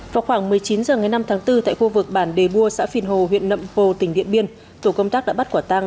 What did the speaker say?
vào khoảng một mươi chín h ngày năm tháng bốn tại khu vực bản đề bua xã phiền hồ huyện lậm pồ tỉnh điện biên